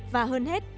và hơn hết